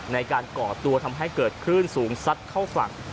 ในการเกาะตัวทำให้เกิดขึ้นสูงซัดเข้าฝั่ง